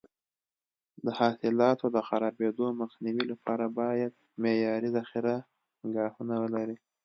د حاصلاتو د خرابېدو مخنیوي لپاره باید معیاري ذخیره ګاهونه ولري.